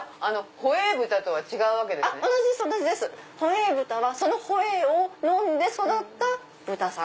ホエー豚はそのホエーを飲んで育った豚さん。